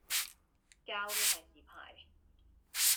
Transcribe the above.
膠都費事派